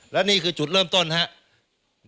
และนี่คือจุดเริ่มต้นครับ